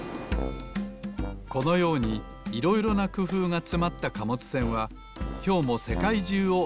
このようにいろいろなくふうがつまった貨物船はきょうもせかいじゅうをいききしています